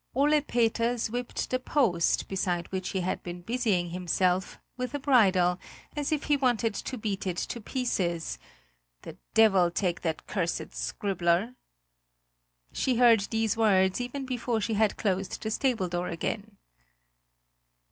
Ole Peters whipped the post beside which he had been busying himself with a bridle, as if he wanted to beat it to pieces: "The devil take that cursed scribbler!" She heard these words even before she had closed the stable door again.